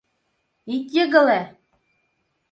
— Ит йыгыле.